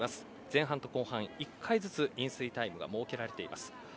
前半と後半１回ずつ飲水タイムが設けられています。